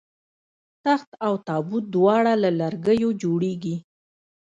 تخت او تابوت دواړه له لرګیو جوړیږي